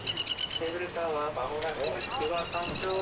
ケーブルカーは間もなく筑波山頂駅。